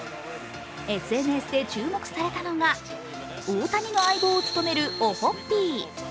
ＳＮＳで注目されたのが大谷の相棒を務めるオホッピー。